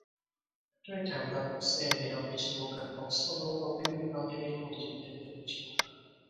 twetaaga okusembera ku kibuga okusobola okunyumirwa ebirungi ebiri mu kibuga.